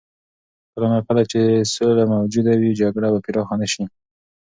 کله نا کله چې سوله موجوده وي، جګړه به پراخه نه شي.